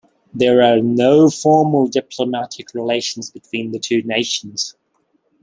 There are no formal diplomatic relations between the two nations.